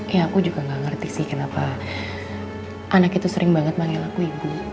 kayak aku juga gak ngerti sih kenapa anak itu sering banget manggil aku ibu